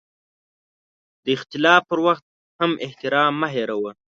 د اختلاف پر وخت هم احترام مه هېروه.